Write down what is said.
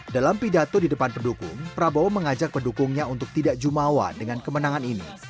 dalam pidato di depan pendukung prabowo mengajak pendukungnya untuk tidak jumawa dengan kemenangan ini